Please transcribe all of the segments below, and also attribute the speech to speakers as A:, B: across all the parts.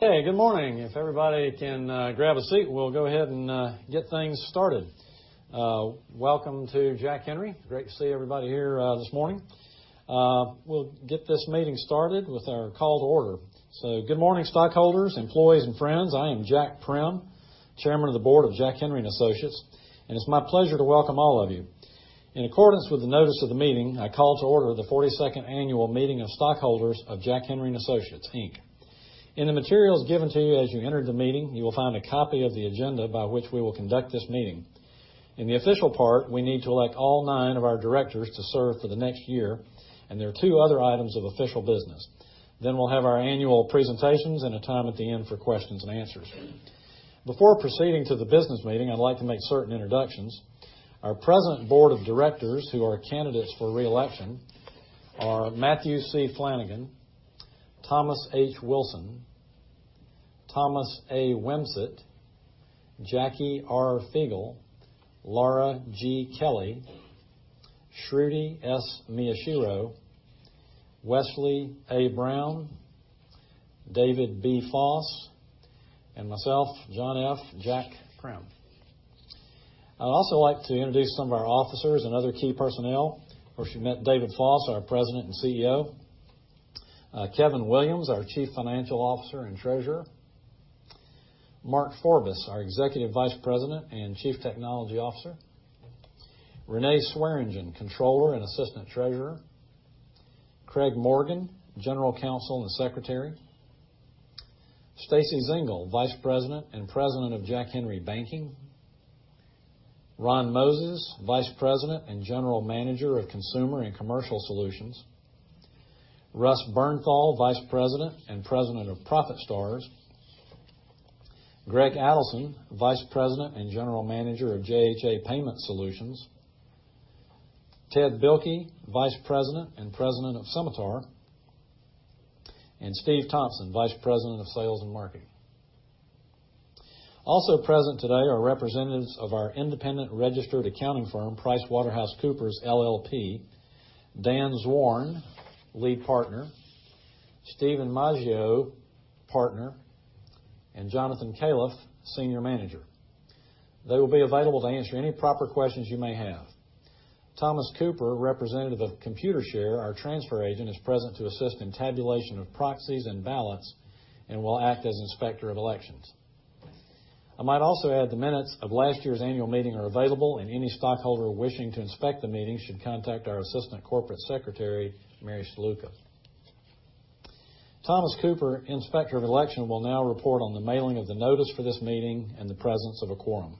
A: Hey, good morning. If everybody can grab a seat, we'll go ahead and get things started. Welcome to Jack Henry. Great to see everybody here this morning. We'll get this meeting started with our call to order. So good morning, stockholders, employees, and friends. I am Jack Prim, Chairman of the Board of Jack Henry & Associates, and it's my pleasure to welcome all of you. In accordance with the notice of the meeting, I call to order the 42nd Annual Meeting of Stockholders of Jack Henry & Associates, Inc. In the materials given to you as you entered the meeting, you will find a copy of the agenda by which we will conduct this meeting. In the official part, we need to elect all nine of our directors to serve for the next year, and there are two other items of official business. Then we'll have our annual presentations and a time at the end for questions and answers. Before proceeding to the business meeting, I'd like to make certain introductions. Our present board of directors who are candidates for reelection are Matthew C. Flanagan, Thomas H. Wilson, Thomas A. Wimsett, Jacque R. Fiegel, Laura G. Kelly, Shruti S. Miyashiro, Wesley A. Brown, David B. Foss, and myself, John F. Jack Prim. I'd also like to introduce some of our officers and other key personnel. We should meet David Foss, our President and CEO; Kevin Williams, our Chief Financial Officer and Treasurer; Mark Forbis, our Executive Vice President and Chief Technology Officer; Renee Swearingen, Controller and Assistant Treasurer; Craig Morgan, General Counsel and Secretary; Stacy Zengel, Vice President and President of Jack Henry Banking; Ron Moses, Vice President and General Manager of Consumer and Commercial Solutions; Russ Bernthal, Vice President and President of ProfitStars; Greg Adelson, Vice President and General Manager of JHA Payment Solutions; Ted Bilke, Vice President and President of Symitar; and Steve Thompson, Vice President of Sales and Marketing. Also present today are representatives of our independent registered accounting firm, PricewaterhouseCoopers LLP, Dan Zorn, lead partner; Stephen Maggio, partner; and Jonathan Caleff, senior manager. They will be available to answer any proper questions you may have. Thomas Cooper, representative of Computershare, our transfer agent, is present to assist in tabulation of proxies and ballots and will act as inspector of elections. I might also add the minutes of last year's annual meeting are available, and any stockholder wishing to inspect the minutes should contact our Assistant Corporate Secretary, Mary Stluka. Thomas Cooper, inspector of elections, will now report on the mailing of the notice for this meeting and the presence of a quorum.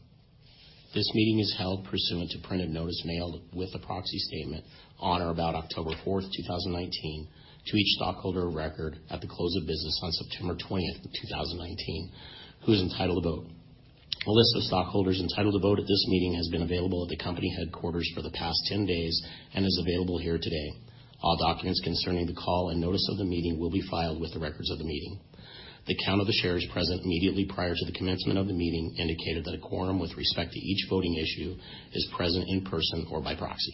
B: This meeting is held pursuant to printed notice mailed with a proxy statement on or about October 4, 2019, to each stockholder of record at the close of business on September 20, 2019, who is entitled to vote. A list of stockholders entitled to vote at this meeting has been available at the company headquarters for the past 10 days and is available here today. All documents concerning the call and notice of the meeting will be filed with the records of the meeting. The count of the shares present immediately prior to the commencement of the meeting indicated that a quorum with respect to each voting issue is present in person or by proxy.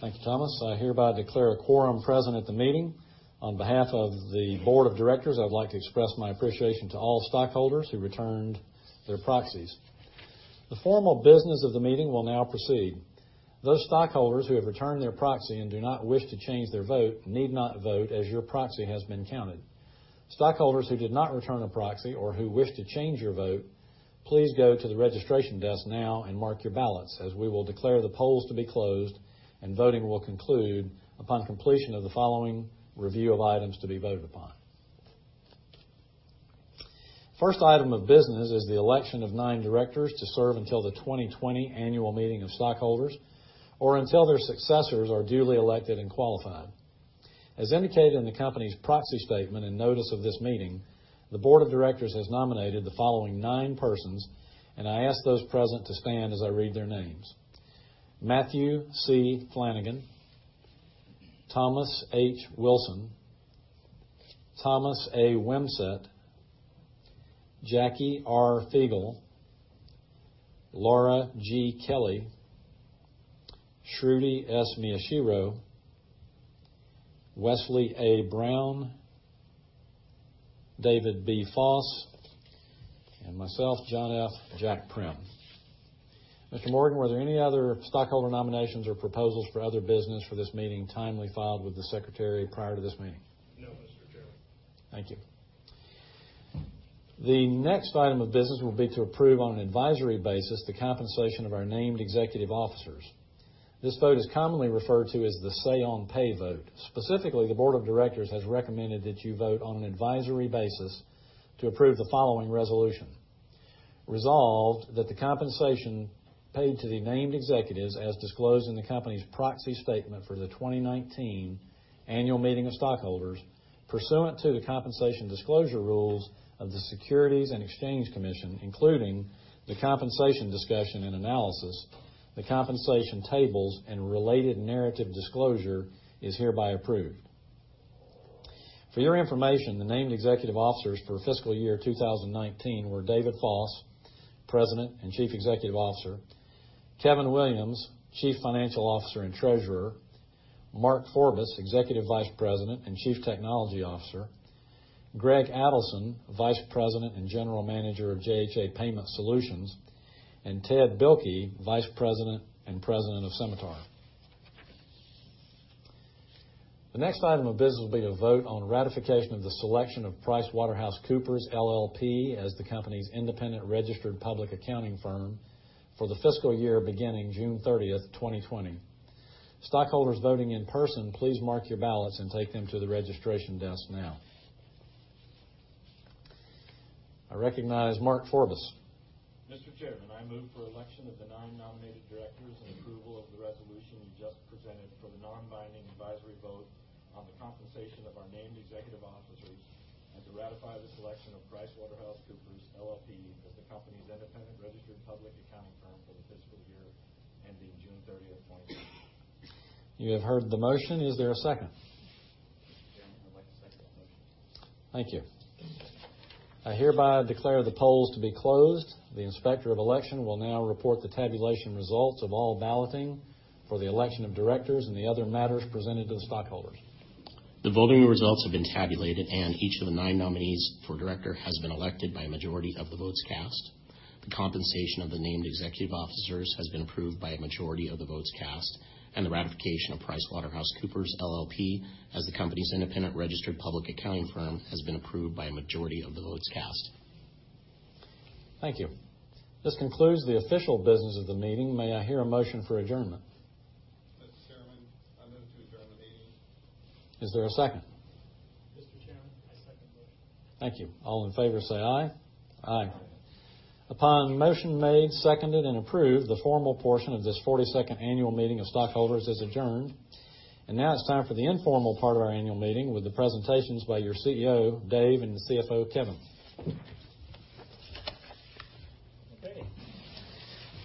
A: Thank you, Thomas. I hereby declare a quorum present at the meeting. On behalf of the board of directors, I would like to express my appreciation to all stockholders who returned their proxies. The formal business of the meeting will now proceed. Those stockholders who have returned their proxy and do not wish to change their vote need not vote as your proxy has been counted. Stockholders who did not return a proxy or who wish to change your vote, please go to the registration desk now and mark your ballots as we will declare the polls to be closed and voting will conclude upon completion of the following review of items to be voted upon. First item of business is the election of nine directors to serve until the 2020 annual meeting of stockholders or until their successors are duly elected and qualified. As indicated in the company's proxy statement and notice of this meeting, the board of directors has nominated the following nine persons, and I ask those present to stand as I read their names: Matthew C. Flanagan, Thomas H. Wilson, Thomas A. Wimsett, Jacque R. Fiegel, Laura G. Kelly, Shruti S. Miyashiro, Wesley A. Brown, David B. Foss, and myself, John F. Jack Prim. Mr. Morgan, were there any other stockholder nominations or proposals for other business for this meeting timely filed with the secretary prior to this meeting?
C: No, Mr. Chairman.
A: Thank you. The next item of business will be to approve on an advisory basis the compensation of our named executive officers. This vote is commonly referred to as the say-on-pay vote. Specifically, the board of directors has recommended that you vote on an advisory basis to approve the following resolution: resolved that the compensation paid to the named executives as disclosed in the company's proxy statement for the 2019 annual meeting of stockholders pursuant to the compensation disclosure rules of the Securities and Exchange Commission, including the compensation discussion and analysis, the compensation tables, and related narrative disclosure is hereby approved. For your information, the named executive officers for fiscal year 2019 were David Foss, President and Chief Executive Officer, Kevin Williams, Chief Financial Officer and Treasurer, Mark Forbis, Executive Vice President and Chief Technology Officer, Greg Adelson, Vice President and General Manager of JHA Payment Solutions, and Ted Bilke, Vice President and President of Symitar. The next item of business will be to vote on ratification of the selection of PricewaterhouseCoopers LLP as the company's independent registered public accounting firm for the fiscal year beginning June 30, 2020. Stockholders voting in person, please mark your ballots and take them to the registration desk now. I recognize Mark Forbis.
D: Mr. Chairman, I move for election of the nine nominated directors and approval of the resolution you just presented for the non-binding advisory vote on the compensation of our named executive officers and to ratify the selection of PricewaterhouseCoopers LLP as the company's independent registered public accounting firm for the fiscal year ending June 30, 2020.
A: You have heard the motion. Is there a second?
C: Mr. Chairman, I'd like to second that motion.
A: Thank you. I hereby declare the polls to be closed. The inspector of election will now report the tabulation results of all balloting for the election of directors and the other matters presented to the stockholders.
B: The voting results have been tabulated, and each of the nine nominees for director has been elected by a majority of the votes cast. The compensation of the named executive officers has been approved by a majority of the votes cast, and the ratification of PricewaterhouseCoopers LLP as the company's independent registered public accounting firm has been approved by a majority of the votes cast.
A: Thank you. This concludes the official business of the meeting. May I hear a motion for adjournment?
C: Mr. Chairman, I move to adjourn the meeting.
A: Is there a second?
C: Mr. Chairman, I second the motion.
A: Thank you. All in favor say aye.
E: Aye.
A: Aye. Upon motion made, seconded, and approved, the formal portion of this 42nd Annual Meeting of Stockholders is adjourned, and now it's time for the informal part of our annual meeting with the presentations by your CEO, Dave, and the CFO, Kevin.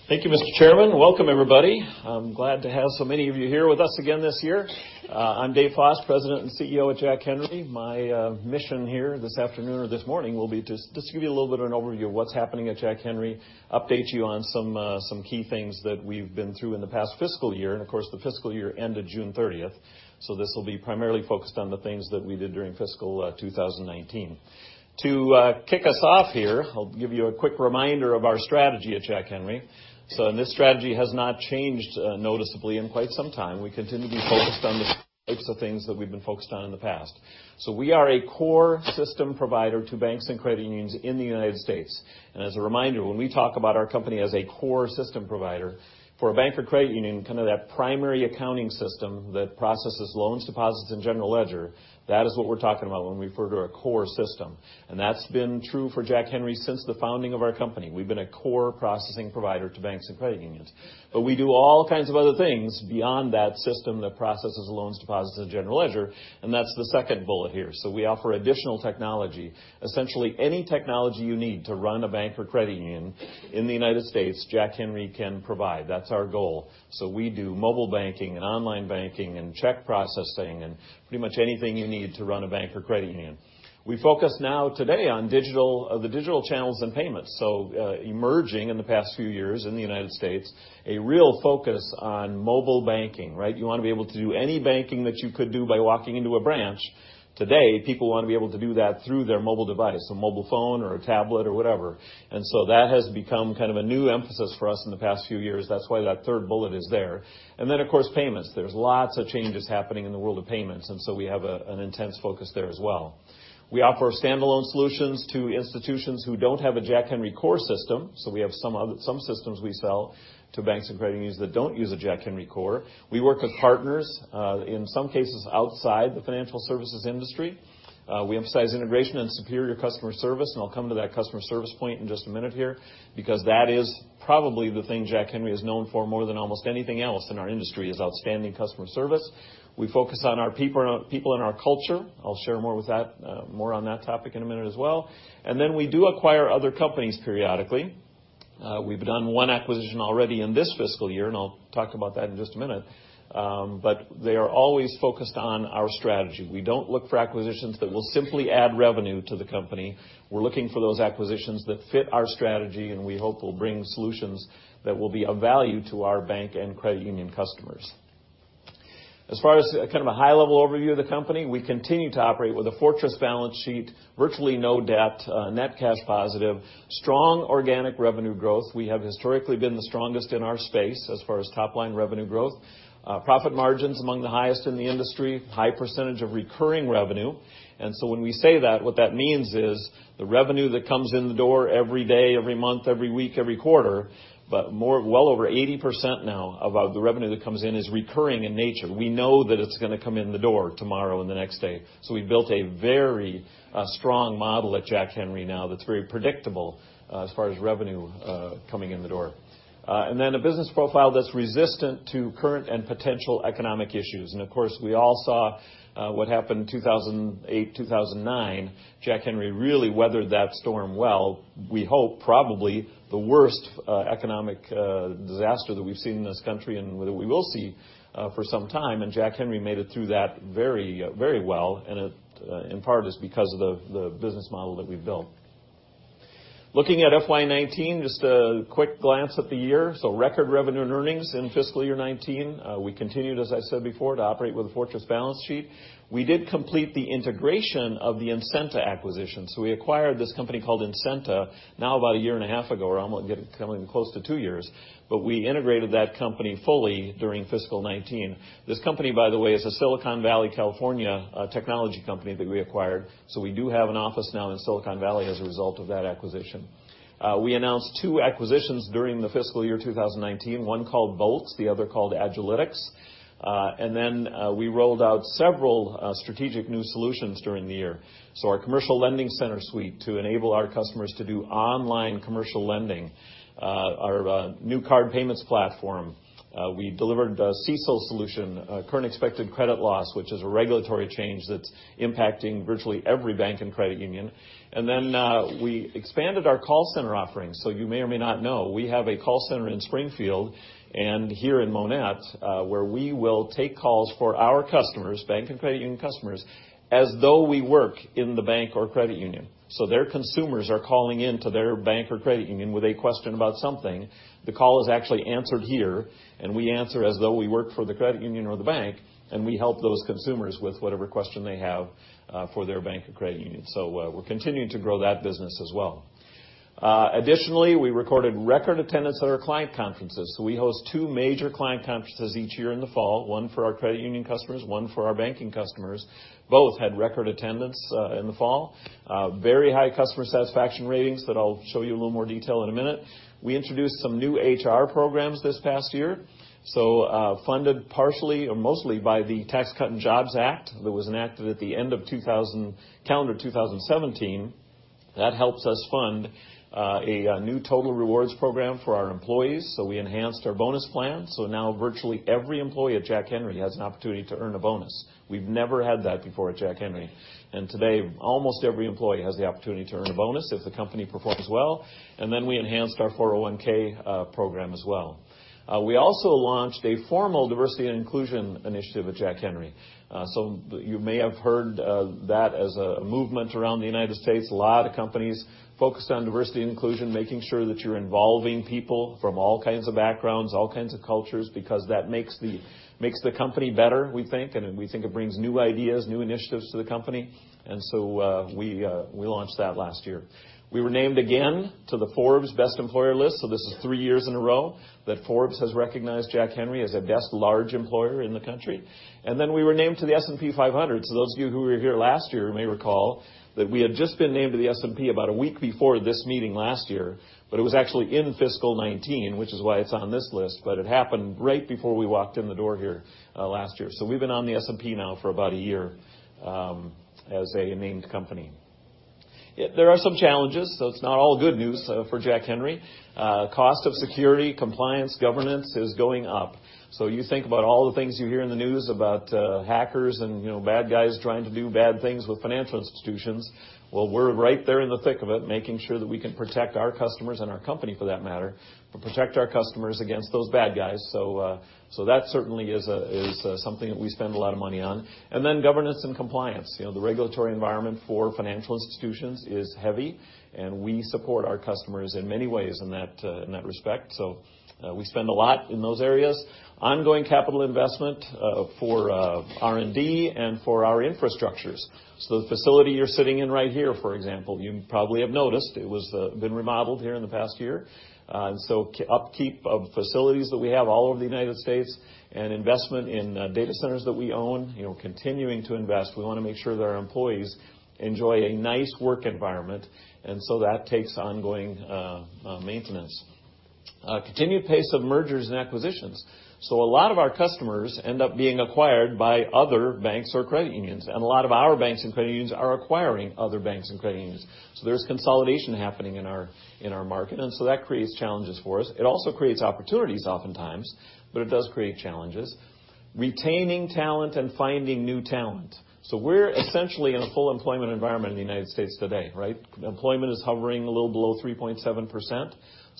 F: Thank you, Mr. Chairman. Welcome, everybody. I'm glad to have so many of you here with us again this year. I'm Dave Foss, President and CEO at Jack Henry. My mission here this afternoon or this morning will be just to give you a little bit of an overview of what's happening at Jack Henry, update you on some key things that we've been through in the past fiscal year, and of course, the fiscal year ended June 30, so this will be primarily focused on the things that we did during fiscal 2019. To kick us off here, I'll give you a quick reminder of our strategy at Jack Henry. So this strategy has not changed noticeably in quite some time. We continue to be focused on the types of things that we've been focused on in the past. We are a core system provider to banks and credit unions in the United States. And as a reminder, when we talk about our company as a core system provider, for a bank or credit union, kind of that primary accounting system that processes loans, deposits, and general ledger, that is what we're talking about when we refer to a core system. And that's been true for Jack Henry since the founding of our company. We've been a core processing provider to banks and credit unions. But we do all kinds of other things beyond that system that processes loans, deposits, and general ledger, and that's the second bullet here. So we offer additional technology, essentially any technology you need to run a bank or credit union in the United States, Jack Henry can provide. That's our goal. So we do mobile banking and online banking and check processing and pretty much anything you need to run a bank or credit union. We focus now today on the digital channels and payments. So emerging in the past few years in the United States, a real focus on mobile banking, right? You want to be able to do any banking that you could do by walking into a branch. Today, people want to be able to do that through their mobile device, a mobile phone or a tablet or whatever. And so that has become kind of a new emphasis for us in the past few years. That's why that third bullet is there. And then, of course, payments. There's lots of changes happening in the world of payments, and so we have an intense focus there as well. We offer standalone solutions to institutions who don't have a Jack Henry core system, so we have some systems we sell to banks and credit unions that don't use a Jack Henry core. We work with partners, in some cases outside the financial services industry. We emphasize integration and superior customer service, and I'll come to that customer service point in just a minute here because that is probably the thing Jack Henry is known for more than almost anything else in our industry is outstanding customer service. We focus on our people and our culture. I'll share more on that topic in a minute as well, and then we do acquire other companies periodically. We've done one acquisition already in this fiscal year, and I'll talk about that in just a minute, but they are always focused on our strategy. We don't look for acquisitions that will simply add revenue to the company. We're looking for those acquisitions that fit our strategy and we hope will bring solutions that will be of value to our bank and credit union customers. As far as kind of a high-level overview of the company, we continue to operate with a fortress balance sheet, virtually no debt, net cash positive, strong organic revenue growth. We have historically been the strongest in our space as far as top-line revenue growth. Profit margins among the highest in the industry, high percentage of recurring revenue. And so when we say that, what that means is the revenue that comes in the door every day, every month, every week, every quarter, but well over 80% now of the revenue that comes in is recurring in nature. We know that it's going to come in the door tomorrow and the next day, so we've built a very strong model at Jack Henry now that's very predictable as far as revenue coming in the door, and then a business profile that's resistant to current and potential economic issues, and of course, we all saw what happened in 2008, 2009. Jack Henry really weathered that storm well. We hope probably the worst economic disaster that we've seen in this country and that we will see for some time, and Jack Henry made it through that very, very well, and in part is because of the business model that we've built. Looking at FY 2019, just a quick glance at the year, record revenue and earnings in fiscal year 2019. We continued, as I said before, to operate with a fortress balance sheet. We did complete the integration of the Ensenta acquisition. So we acquired this company called Ensenta now about a year and a half ago, or almost coming close to two years, but we integrated that company fully during fiscal 2019. This company, by the way, is a Silicon Valley, California, technology company that we acquired. So we do have an office now in Silicon Valley as a result of that acquisition. We announced two acquisitions during the fiscal year 2019, one called Bolts, the other called Agiliti, and then we rolled out several strategic new solutions during the year. So our Commercial Lending Center Suite to enable our customers to do online commercial lending, our new card payments platform. We delivered a CISO solution, Current Expected Credit Loss, which is a regulatory change that's impacting virtually every bank and credit union. And then we expanded our call center offerings. You may or may not know, we have a call center in Springfield and here in Monett where we will take calls for our customers, bank and credit union customers, as though we work in the bank or credit union. Their consumers are calling into their bank or credit union with a question about something. The call is actually answered here, and we answer as though we work for the credit union or the bank, and we help those consumers with whatever question they have for their bank or credit union. We're continuing to grow that business as well. Additionally, we recorded record attendance at our client conferences. We host two major client conferences each year in the fall, one for our credit union customers, one for our banking customers. Both had record attendance in the fall, very high customer satisfaction ratings that I'll show you a little more detail in a minute. We introduced some new HR programs this past year, so funded partially or mostly by the Tax Cuts and Jobs Act that was enacted at the end of calendar 2017. That helps us fund a new total rewards program for our employees. So we enhanced our bonus plan. So now virtually every employee at Jack Henry has an opportunity to earn a bonus. We've never had that before at Jack Henry, and today almost every employee has the opportunity to earn a bonus if the company performs well. And then we enhanced our 401(k) program as well. We also launched a formal diversity and inclusion initiative at Jack Henry. So you may have heard that as a movement around the United States. A lot of companies focused on diversity and inclusion, making sure that you're involving people from all kinds of backgrounds, all kinds of cultures, because that makes the company better, we think, and we think it brings new ideas, new initiatives to the company. And so we launched that last year. We were named again to the Forbes Best Employer list, so this is three years in a row that Forbes has recognized Jack Henry as a best large employer in the country. And then we were named to the S&P 500. So those of you who were here last year may recall that we had just been named to the S&P about a week before this meeting last year, but it was actually in fiscal 2019, which is why it's on this list, but it happened right before we walked in the door here last year. So we've been on the S&P now for about a year as a named company. There are some challenges, so it's not all good news for Jack Henry. Cost of security, compliance, governance is going up. So you think about all the things you hear in the news about hackers and bad guys trying to do bad things with financial institutions. Well, we're right there in the thick of it, making sure that we can protect our customers and our company, for that matter, but protect our customers against those bad guys. So that certainly is something that we spend a lot of money on. And then governance and compliance. The regulatory environment for financial institutions is heavy, and we support our customers in many ways in that respect. So we spend a lot in those areas. Ongoing capital investment for R&D and for our infrastructures. So the facility you're sitting in right here, for example, you probably have noticed it has been remodeled here in the past year. So upkeep of facilities that we have all over the United States and investment in data centers that we own, continuing to invest. We want to make sure that our employees enjoy a nice work environment, and so that takes ongoing maintenance. Continued pace of mergers and acquisitions. So a lot of our customers end up being acquired by other banks or credit unions, and a lot of our banks and credit unions are acquiring other banks and credit unions. So there's consolidation happening in our market, and so that creates challenges for us. It also creates opportunities oftentimes, but it does create challenges. Retaining talent and finding new talent. So we're essentially in a full employment environment in the United States today, right? Employment is hovering a little below 3.7%.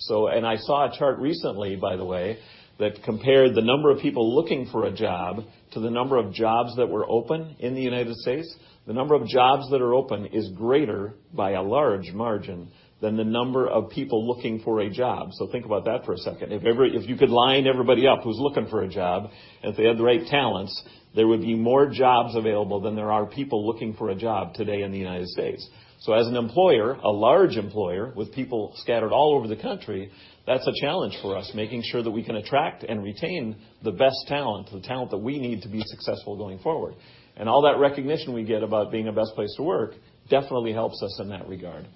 F: And I saw a chart recently, by the way, that compared the number of people looking for a job to the number of jobs that were open in the United States. The number of jobs that are open is greater by a large margin than the number of people looking for a job. So think about that for a second. If you could line everybody up who's looking for a job, and if they had the right talents, there would be more jobs available than there are people looking for a job today in the United States. So as an employer, a large employer with people scattered all over the country, that's a challenge for us, making sure that we can attract and retain the best talent, the talent that we need to be successful going forward. And all that recognition we get about being a best place to work definitely helps us in that regard.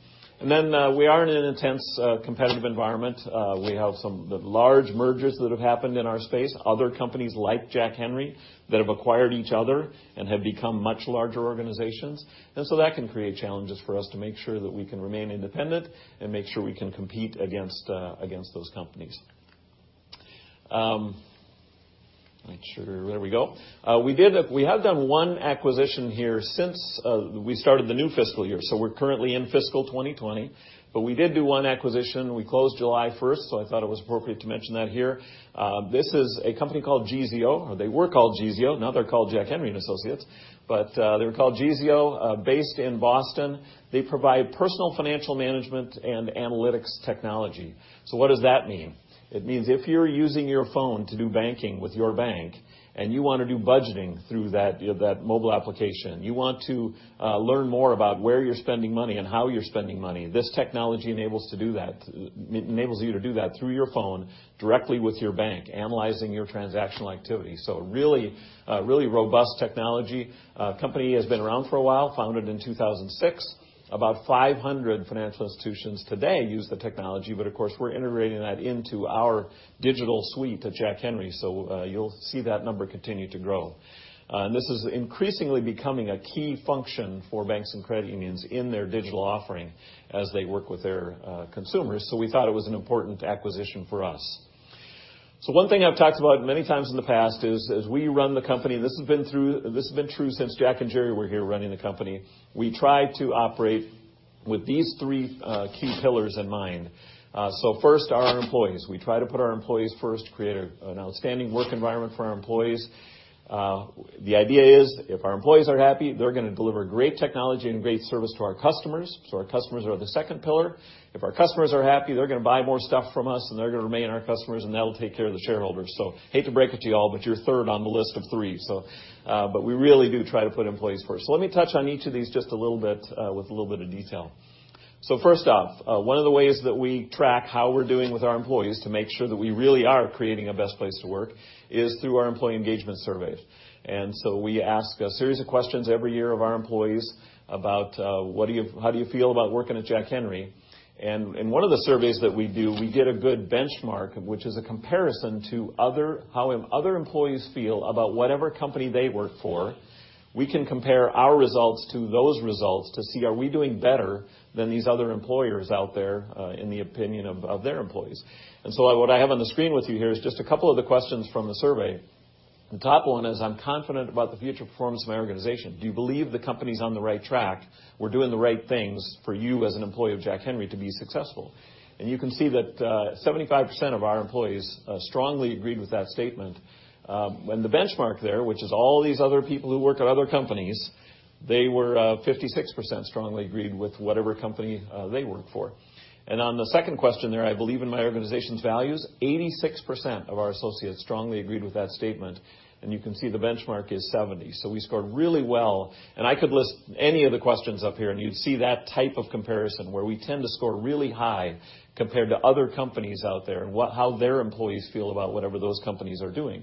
F: And then we are in an intense competitive environment. We have some large mergers that have happened in our space, other companies like Jack Henry that have acquired each other and have become much larger organizations. And so that can create challenges for us to make sure that we can remain independent and make sure we can compete against those companies. There we go. We have done one acquisition here since we started the new fiscal year. So we're currently in fiscal 2020, but we did do one acquisition. We closed July 1, so I thought it was appropriate to mention that here. This is a company called Geezeo, or they were called Geezeo. Now they're called Jack Henry & Associates, but they were called Geezeo, based in Boston. They provide personal financial management and analytics technology. So what does that mean? It means if you're using your phone to do banking with your bank and you want to do budgeting through that mobile application, you want to learn more about where you're spending money and how you're spending money, this technology enables you to do that through your phone directly with your bank, analyzing your transactional activity. So really robust technology. The company has been around for a while, founded in 2006. About 500 financial institutions today use the technology, but of course, we're integrating that into our digital suite at Jack Henry, so you'll see that number continue to grow. And this is increasingly becoming a key function for banks and credit unions in their digital offering as they work with their consumers. So we thought it was an important acquisition for us. So one thing I've talked about many times in the past is as we run the company, and this has been true since Jack and Jerry were here running the company, we try to operate with these three key pillars in mind. So first, our employees. We try to put our employees first, create an outstanding work environment for our employees. The idea is if our employees are happy, they're going to deliver great technology and great service to our customers. So our customers are the second pillar. If our customers are happy, they're going to buy more stuff from us, and they're going to remain our customers, and that'll take care of the shareholders. So, hate to break it to you all, but you're third on the list of three. But we really do try to put employees first. So let me touch on each of these just a little bit with a little bit of detail. So first off, one of the ways that we track how we're doing with our employees to make sure that we really are creating a best place to work is through our employee engagement surveys. And so we ask a series of questions every year of our employees about how do you feel about working at Jack Henry. And in one of the surveys that we do, we get a good benchmark, which is a comparison to how other employees feel about whatever company they work for. We can compare our results to those results to see are we doing better than these other employers out there in the opinion of their employees. And so what I have on the screen with you here is just a couple of the questions from the survey. The top one is, "I'm confident about the future performance of my organization. Do you believe the company's on the right track? We're doing the right things for you as an employee of Jack Henry to be successful?" And you can see that 75% of our employees strongly agreed with that statement. And the benchmark there, which is all these other people who work at other companies, they were 56% strongly agreed with whatever company they work for. And on the second question there, "I believe in my organization's values," 86% of our associates strongly agreed with that statement. And you can see the benchmark is 70%. So we scored really well. I could list any of the questions up here, and you'd see that type of comparison where we tend to score really high compared to other companies out there and how their employees feel about whatever those companies are doing.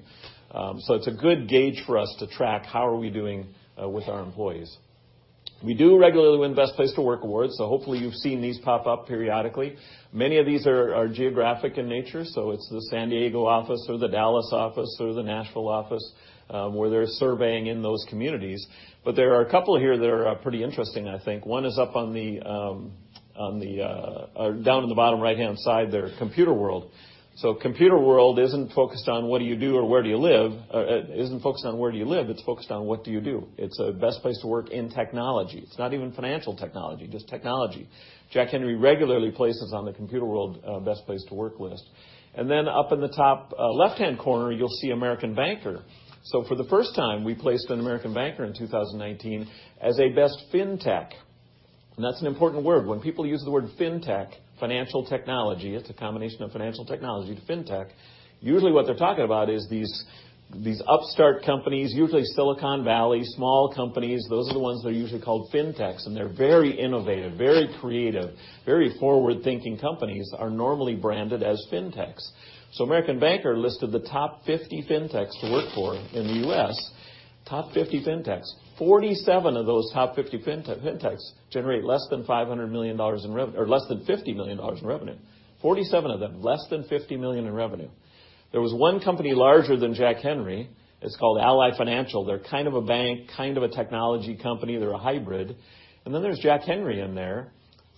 F: It's a good gauge for us to track how are we doing with our employees. We do regularly win Best Place to Work awards, so hopefully you've seen these pop up periodically. Many of these are geographic in nature, so it's the San Diego office or the Dallas office or the Nashville office where they're surveying in those communities. There are a couple here that are pretty interesting, I think. One is the one down in the bottom right-hand side, there: Computer World. Computer World isn't focused on what do you do or where do you live. It's focused on what do you do. It's a Best Place to Work in technology. It's not even financial technology, just technology. Jack Henry regularly places on the Computer World Best Place to Work list. Then up in the top left-hand corner, you'll see American Banker. For the first time, we placed in American Banker in 2019 as a best Fintech. That's an important word. When people use the word Fintech, financial technology, it's a combination of financial technology to Fintech. Usually what they're talking about is these upstart companies, usually Silicon Valley, small companies. Those are the ones that are usually called Fintechs, and they're very innovative, very creative, very forward-thinking companies are normally branded as Fintechs. American Banker listed the top 50 Fintechs to work for in the U.S. Top 50 Fintechs. 47 of those top 50 Fintechs generate less than $500 million in revenue or less than $50 million in revenue. 47 of them, less than $50 million in revenue. There was one company larger than Jack Henry. It's called Ally Financial. They're kind of a bank, kind of a technology company. They're a hybrid, and then there's Jack Henry in there,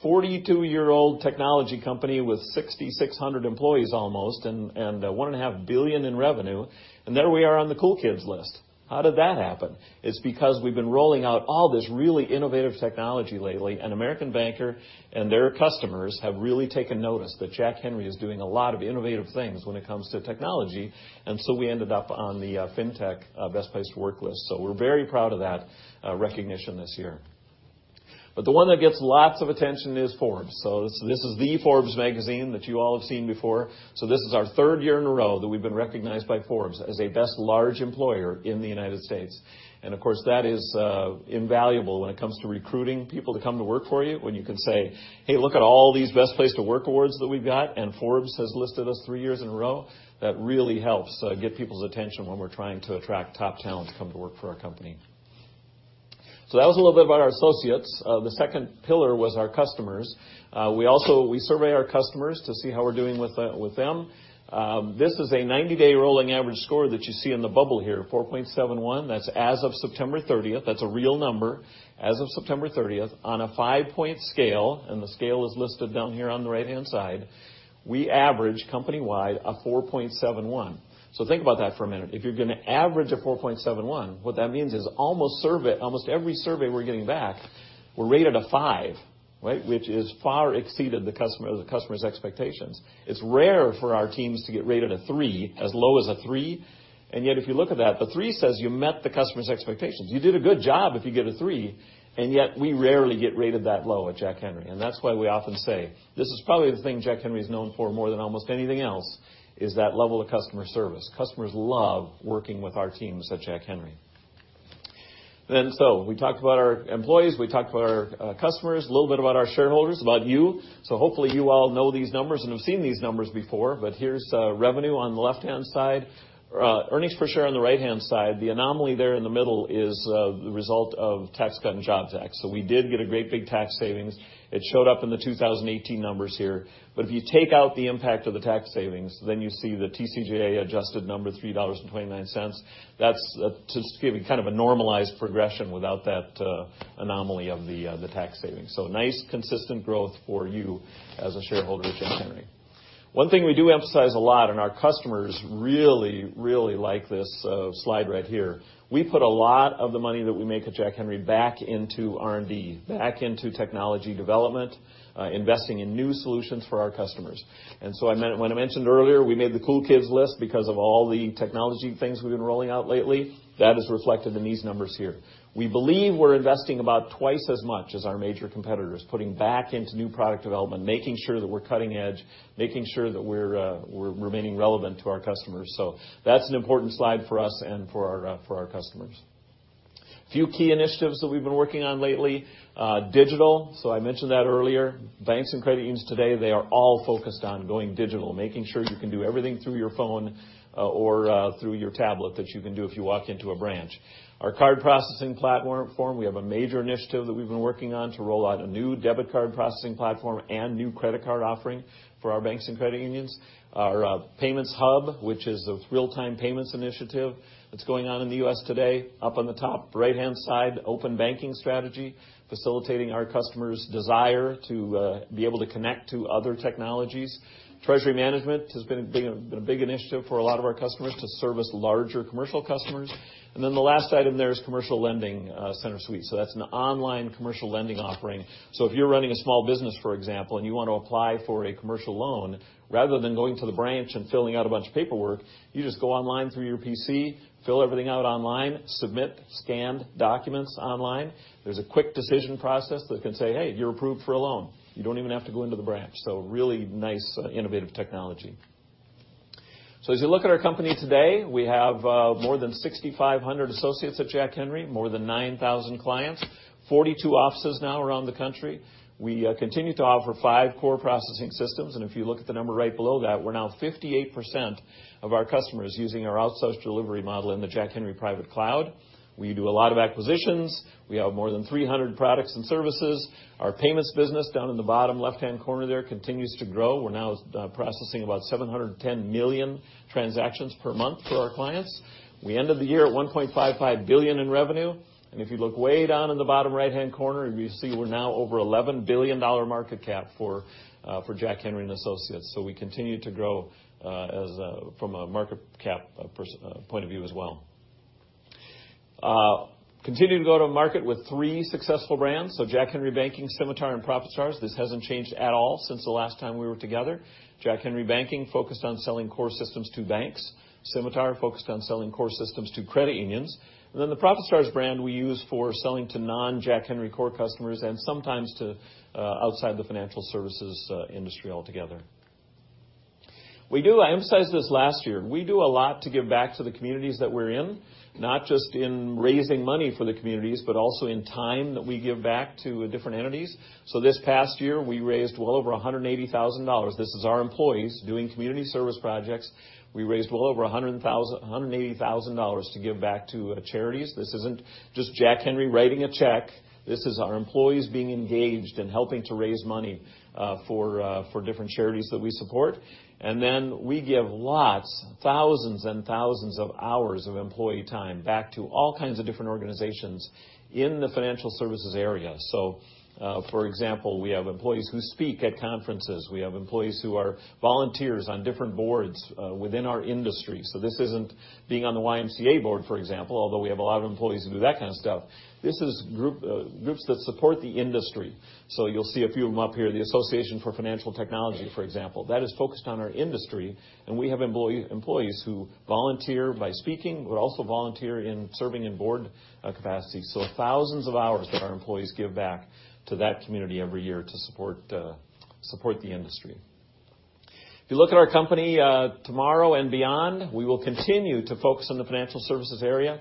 F: 42-year-old technology company with 6,600 employees almost and $1.5 billion in revenue, and there we are on the cool kids list. How did that happen? It's because we've been rolling out all this really innovative technology lately, and American Banker and their customers have really taken notice that Jack Henry is doing a lot of innovative things when it comes to technology, and so we ended up on the Fintech Best Place to Work list, so we're very proud of that recognition this year. But the one that gets lots of attention is Forbes. So this is the Forbes magazine that you all have seen before. So this is our third year in a row that we've been recognized by Forbes as a Best Large Employer in the United States. And of course, that is invaluable when it comes to recruiting people to come to work for you when you can say, "Hey, look at all these Best Place to Work awards that we've got, and Forbes has listed us three years in a row." That really helps get people's attention when we're trying to attract top talent to come to work for our company. So that was a little bit about our associates. The second pillar was our customers. We survey our customers to see how we're doing with them. This is a 90-day rolling average score that you see in the bubble here, 4.71. That's as of September 30th. That's a real number as of September 30th. On a five-point scale, and the scale is listed down here on the right-hand side, we average company-wide a 4.71. So think about that for a minute. If you're going to average a 4.71, what that means is almost every survey we're getting back, we're rated a 5, which has far exceeded the customer's expectations. It's rare for our teams to get rated a three, as low as a three. And yet if you look at that, the three says you met the customer's expectations. You did a good job if you get a, and yet we rarely get rated that low at Jack Henry. And that's why we often say this is probably the thing Jack Henry is known for more than almost anything else, is that level of customer service. Customers love working with our teams at Jack Henry. And so we talked about our employees. We talked about our customers, a little bit about our shareholders, about you. So hopefully you all know these numbers and have seen these numbers before. But here's revenue on the left-hand side, earnings per share on the right-hand side. The anomaly there in the middle is the result of Tax Cuts and Jobs Act. So we did get a great big tax savings. It showed up in the 2018 numbers here. But if you take out the impact of the tax savings, then you see the TCJA adjusted number, $3.29. That's just giving kind of a normalized progression without that anomaly of the tax savings. So, nice consistent growth for you as a shareholder at Jack Henry. One thing we do emphasize a lot, and our customers really, really like this slide right here. We put a lot of the money that we make at Jack Henry back into R&D, back into technology development, investing in new solutions for our customers. And so when I mentioned earlier we made the cool kids list because of all the technology things we've been rolling out lately, that is reflected in these numbers here. We believe we're investing about twice as much as our major competitors, putting back into new product development, making sure that we're cutting edge, making sure that we're remaining relevant to our customers. So that's an important slide for us and for our customers. Few key initiatives that we've been working on lately. Digital. So I mentioned that earlier. Banks and credit unions today, they are all focused on going digital, making sure you can do everything through your phone or through your tablet that you can do if you walk into a branch. Our card processing platform, we have a major initiative that we've been working on to roll out a new debit card processing platform and new credit card offering for our banks and credit unions. Our payments hub, which is a real-time payments initiative that's going on in the U.S. today. Up on the top right-hand side, open banking strategy, facilitating our customers' desire to be able to connect to other technologies. Treasury management has been a big initiative for a lot of our customers to service larger commercial customers. And then the last item there is Commercial Lending Center Suite. So that's an online commercial lending offering. So if you're running a small business, for example, and you want to apply for a commercial loan, rather than going to the branch and filling out a bunch of paperwork, you just go online through your PC, fill everything out online, submit scanned documents online. There's a quick decision process that can say, "Hey, you're approved for a loan." You don't even have to go into the branch. So really nice innovative technology. So as you look at our company today, we have more than 6,500 associates at Jack Henry, more than 9,000 clients, 42 offices now around the country. We continue to offer five core processing systems. And if you look at the number right below that, we're now 58% of our customers using our outsourced delivery model in the Jack Henry private cloud. We do a lot of acquisitions. We have more than 300 products and services. Our payments business down in the bottom left-hand corner there continues to grow. We're now processing about 710 million transactions per month for our clients. We ended the year at $1.55 billion in revenue. And if you look way down in the bottom right-hand corner, you see we're now over $11 billion market cap for Jack Henry & Associates. So we continue to grow from a market cap point of view as well. Continue to go to market with three successful brands. So Jack Henry Banking, Symitar, and ProfitStars. This hasn't changed at all since the last time we were together. Jack Henry Banking focused on selling core systems to banks. Symitar focused on selling core systems to credit unions. And then the ProfitStars brand we use for selling to non-Jack Henry core customers and sometimes to outside the financial services industry altogether. We do. I emphasized this last year. We do a lot to give back to the communities that we're in, not just in raising money for the communities, but also in time that we give back to different entities. So this past year, we raised well over $180,000. This is our employees doing community service projects. We raised well over $180,000 to give back to charities. This isn't just Jack Henry writing a check. This is our employees being engaged and helping to raise money for different charities that we support. And then we give lots, thousands and thousands of hours of employee time back to all kinds of different organizations in the financial services area. So for example, we have employees who speak at conferences. We have employees who are volunteers on different boards within our industry. This isn't being on the YMCA board, for example, although we have a lot of employees who do that kind of stuff. This is groups that support the industry. So you'll see a few of them up here. The Association for Financial Technology, for example, that is focused on our industry. And we have employees who volunteer by speaking, but also volunteer in serving in board capacity. So thousands of hours that our employees give back to that community every year to support the industry. If you look at our company tomorrow and beyond, we will continue to focus on the financial services area,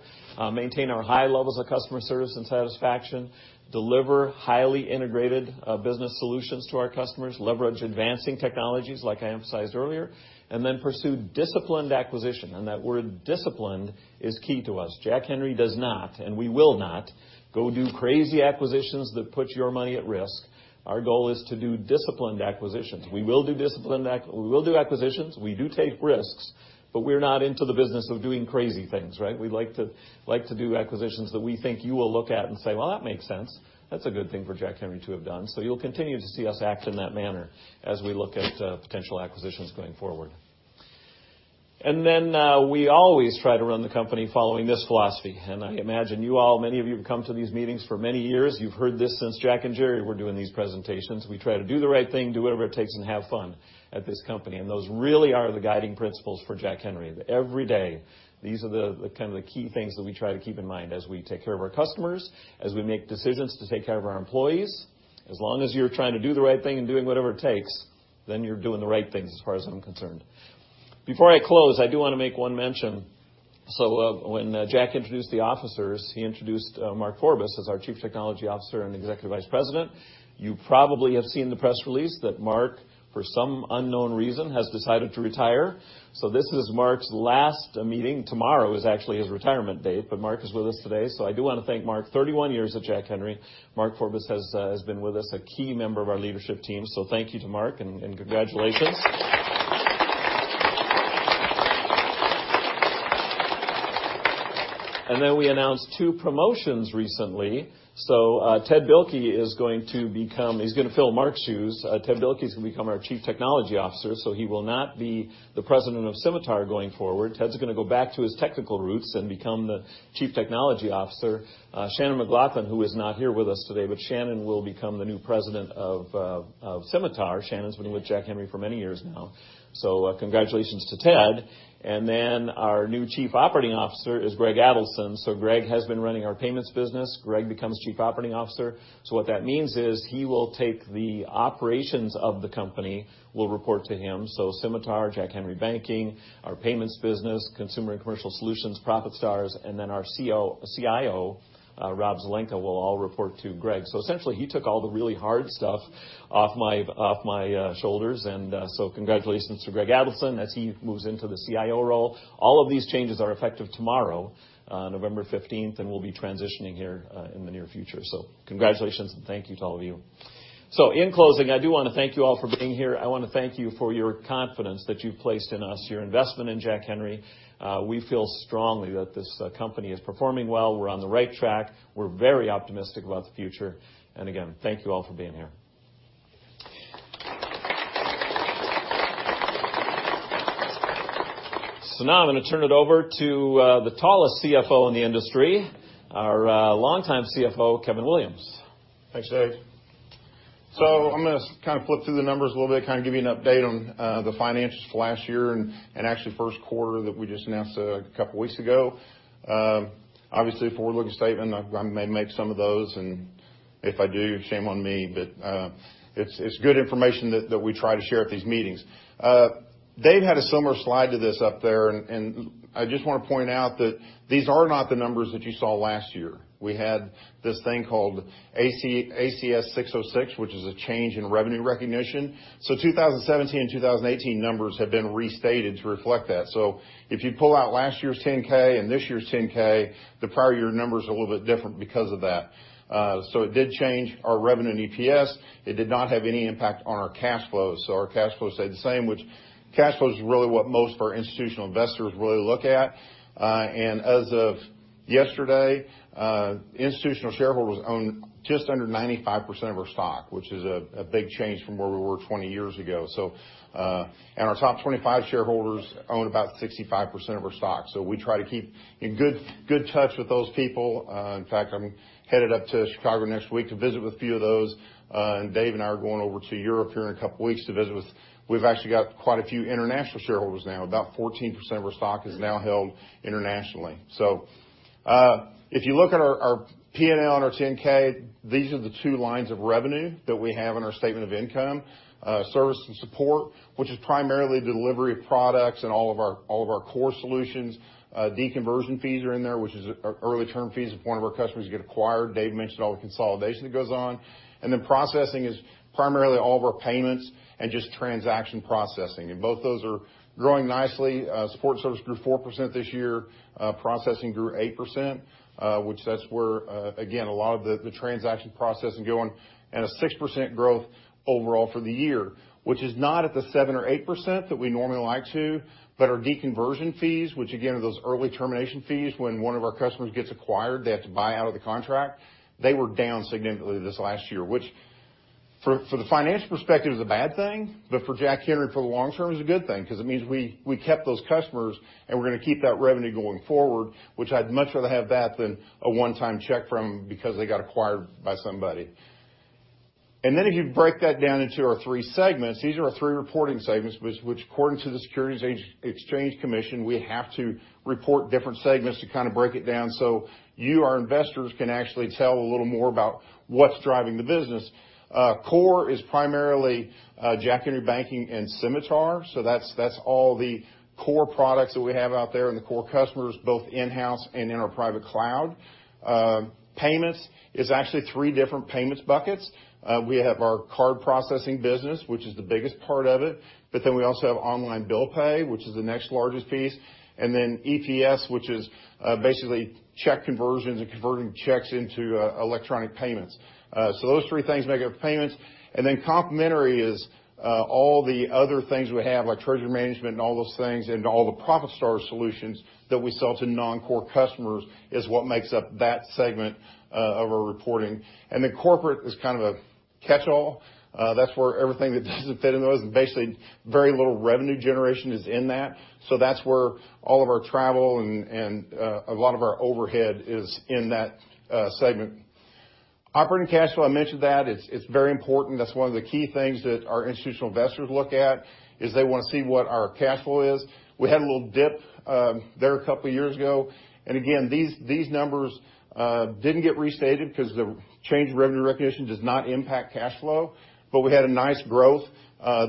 F: maintain our high levels of customer service and satisfaction, deliver highly integrated business solutions to our customers, leverage advancing technologies like I emphasized earlier, and then pursue disciplined acquisition. And that word disciplined is key to us. Jack Henry does not, and we will not go do crazy acquisitions that put your money at risk. Our goal is to do disciplined acquisitions. We will do disciplined acquisitions. We do take risks, but we're not into the business of doing crazy things, right? We like to do acquisitions that we think you will look at and say, "Well, that makes sense. That's a good thing for Jack Henry to have done." So you'll continue to see us act in that manner as we look at potential acquisitions going forward, and then we always try to run the company following this philosophy, and I imagine you all, many of you have come to these meetings for many years. You've heard this since Jack and Jerry were doing these presentations. We try to do the right thing, do whatever it takes, and have fun at this company. Those really are the guiding principles for Jack Henry. Every day, these are the kind of the key things that we try to keep in mind as we take care of our customers, as we make decisions to take care of our employees. As long as you're trying to do the right thing and doing whatever it takes, then you're doing the right things as far as I'm concerned. Before I close, I do want to make one mention. So when Jack introduced the officers, he introduced Mark Forbis as our Chief Technology Officer and Executive Vice President. You probably have seen the press release that Mark, for some unknown reason, has decided to retire. So this is Mark's last meeting. Tomorrow is actually his retirement date, but Mark is with us today. So I do want to thank Mark. 31 years at Jack Henry. Mark Forbis has been with us, a key member of our leadership team, so thank you to Mark and congratulations, and then we announced two promotions recently, so Ted Bilke is going to become, he's going to fill Mark's shoes. Ted Bilke is going to become our Chief Technology Officer, so he will not be the president of Symitar going forward. Ted's going to go back to his technical roots and become the Chief Technology Officer. Shannon McLaughlin, who is not here with us today, but Shannon will become the new president of Symitar, Shannon's been with Jack Henry for many years now, so congratulations to Ted, and then our new Chief Operating Officer is Greg Adelson, so Greg has been running our payments business. Greg becomes Chief Operating Officer, so what that means is he will take the operations of the company, will report to him. Symitar, Jack Henry Banking, our payments business, consumer and commercial solutions, ProfitStars, and then our CIO, Rob Zelenka, will all report to Greg. So essentially, he took all the really hard stuff off my shoulders. And so congratulations to Greg Adelson. As he moves into the COO role, all of these changes are effective tomorrow, November 15th, and we'll be transitioning here in the near future. So congratulations and thank you to all of you. So in closing, I do want to thank you all for being here. I want to thank you for your confidence that you've placed in us, your investment in Jack Henry. We feel strongly that this company is performing well. We're on the right track. We're very optimistic about the future. And again, thank you all for being here. So now I'm going to turn it over to the tallest CFO in the industry, our longtime CFO, Kevin Williams.
G: Thanks, Dave. So I'm going to kind of flip through the numbers a little bit, kind of give you an update on the financials for last year and actually first quarter that we just announced a couple of weeks ago. Obviously, forward-looking statement, I may make some of those, and if I do, shame on me. But it's good information that we try to share at these meetings. Dave had a similar slide to this up there. And I just want to point out that these are not the numbers that you saw last year. We had this thing called ASC 606, which is a change in revenue recognition. So 2017 and 2018 numbers have been restated to reflect that. So if you pull out last year's 10-K and this year's 10-K, the prior year numbers are a little bit different because of that. So it did change our revenue and EPS. It did not have any impact on our cash flows. So our cash flows stayed the same, which cash flows is really what most of our institutional investors really look at. And as of yesterday, institutional shareholders own just under 95% of our stock, which is a big change from where we were 20 years ago. And our top 25 shareholders own about 65% of our stock. So we try to keep in good touch with those people. In fact, I'm headed up to Chicago next week to visit with a few of those. And Dave and I are going over to Europe here in a couple of weeks to visit with. We've actually got quite a few international shareholders now. About 14% of our stock is now held internationally. So if you look at our P&L and our 10-K, these are the two lines of revenue that we have in our statement of income. Service and support, which is primarily delivery of products and all of our core solutions. Deconversion fees are in there, which is early-term fees if one of our customers gets acquired. Dave mentioned all the consolidation that goes on, and then processing is primarily all of our payments and just transaction processing. And both those are growing nicely. Support and service grew 4% this year. Processing grew 8%, which that's where, again, a lot of the transaction processing going. And a six% growth overall for the year, which is not at the seven or eight% that we normally like to, but our deconversion fees, which again are those early termination fees when one of our customers gets acquired, they have to buy out of the contract. They were down significantly this last year, which for the financial perspective is a bad thing, but for Jack Henry for the long term is a good thing because it means we kept those customers and we're going to keep that revenue going forward, which I'd much rather have that than a one-time check from them because they got acquired by somebody. And then if you break that down into our three segments, these are our three reporting segments, which according to the Securities and Exchange Commission, we have to report different segments to kind of break it down so you, our investors, can actually tell a little more about what's driving the business. Core is primarily Jack Henry Banking and Symitar. So that's all the core products that we have out there and the core customers, both in-house and in our private cloud. Payments is actually three different payments buckets. We have our card processing business, which is the biggest part of it. But then we also have online bill pay, which is the next largest piece. And then EPS, which is basically check conversions and converting checks into electronic payments. So those three things make up payments. And then complementary is all the other things we have, like treasury management and all those things and all the ProfitStars solutions that we sell to non-core customers is what makes up that segment of our reporting. And then corporate is kind of a catch-all. That's where everything that doesn't fit in those and basically very little revenue generation is in that. So that's where all of our travel and a lot of our overhead is in that segment. Operating cash flow, I mentioned that. It's very important. That's one of the key things that our institutional investors look at is they want to see what our cash flow is. We had a little dip there a couple of years ago. And again, these numbers didn't get restated because the change in revenue recognition does not impact cash flow. But we had a nice growth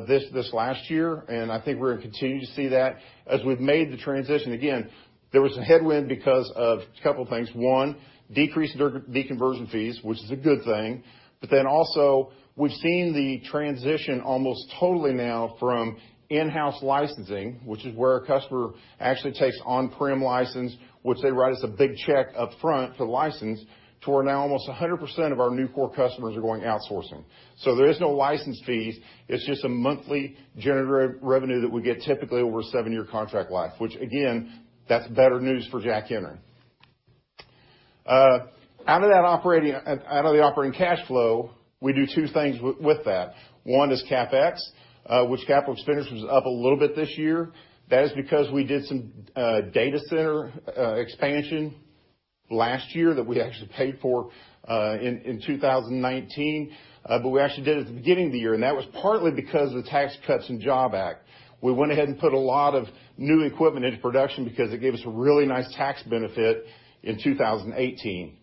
G: this last year. I think we're going to continue to see that as we've made the transition. Again, there was a headwind because of a couple of things. One, decreased deconversion fees, which is a good thing. But then also we've seen the transition almost totally now from in-house licensing, which is where a customer actually takes on-prem license, which they write as a big check upfront for license, to where now almost 100% of our new core customers are going outsourcing. So there are no license fees. It's just a monthly generative revenue that we get typically over a seven-year contract life, which again, that's better news for Jack Henry. Out of the operating cash flow, we do two things with that. One is CapEx, which capital expenditure was up a little bit this year. That is because we did some data center expansion last year that we actually paid for in 2019, but we actually did it at the beginning of the year, and that was partly because of the Tax Cuts and Jobs Act. We went ahead and put a lot of new equipment into production because it gave us a really nice tax benefit in 2018.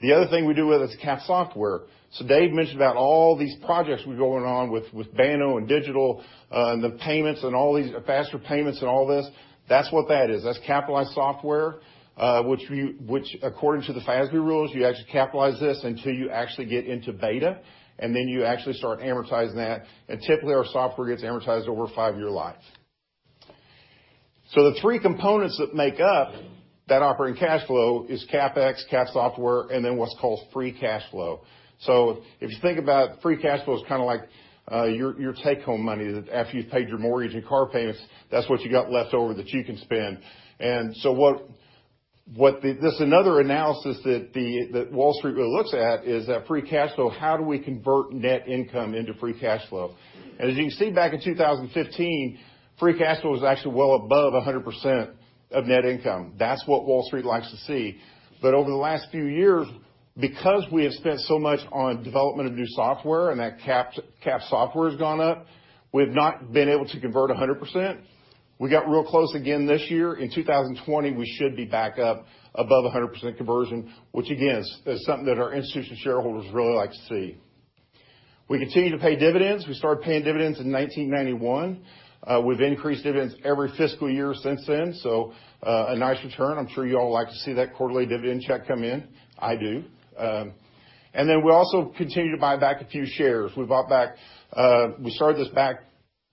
G: The other thing we do with it is CapEx software. So Dave mentioned about all these projects we're going on with Banno and digital and the payments and all these faster payments and all this. That's what that is. That's capitalized software, which according to the FASB rules, you actually capitalize this until you actually get into beta. And then you actually start amortizing that. And typically our software gets amortized over a five-year life. So the three components that make up that operating cash flow are CapEx, cap software, and then what's called free cash flow. So if you think about free cash flow, it's kind of like your take-home money that after you've paid your mortgage and car payments, that's what you got left over that you can spend. And so what this is another analysis that Wall Street really looks at is that free cash flow, how do we convert net income into free cash flow. And as you can see, back in 2015, free cash flow was actually well above 100% of net income. That's what Wall Street likes to see. But over the last few years, because we have spent so much on development of new software and that cap software has gone up, we've not been able to convert 100%. We got real close again this year. In 2020, we should be back up above 100% conversion, which again, is something that our institutional shareholders really like to see. We continue to pay dividends. We started paying dividends in 1991. We've increased dividends every fiscal year since then. So a nice return. I'm sure you all like to see that quarterly dividend check come in. I do. And then we also continue to buy back a few shares. We bought back, we started this back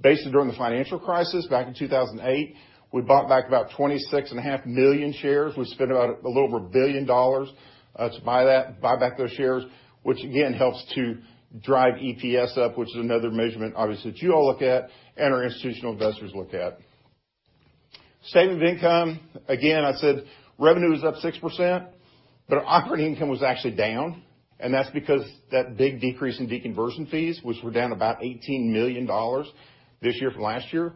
G: basically during the financial crisis back in 2008. We bought back about 26.5 million shares. We've spent about a little over $1 billion to buy back those shares, which again helps to drive EPS up, which is another measurement, obviously, that you all look at and our institutional investors look at. Statement of income, again, I said revenue was up 6%, but our operating income was actually down. And that's because of that big decrease in deconversion fees, which were down about $18 million this year from last year,